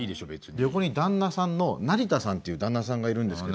横に旦那さんの成田さんっていう旦那さんがいるんですけど。